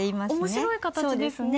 面白い形ですね。